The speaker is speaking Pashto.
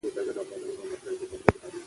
د دې لپاره چې درناوی وشي، سپکاوی به ونه شي.